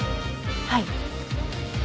はい。